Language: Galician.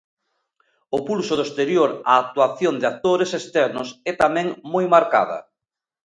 O pulso do exterior A actuación de actores externos é tamén moi marcada.